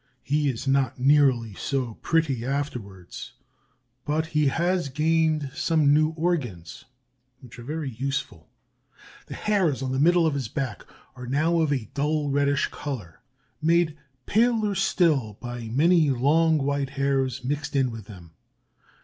He is not nearly so pretty afterwards, but he has gained some new organs which are very useful. The hairs on the middle of his back are now of a dull reddish color, made paler still by many long white hairs mixed in with them.